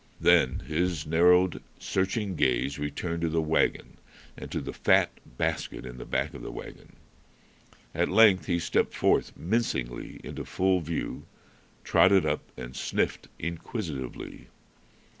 Then his narrowed, searching gaze returned to the wagon and to the fat basket in the back of the wagon. At length he stepped forth mincingly into full view, trotted up, and sniffed inquisitively.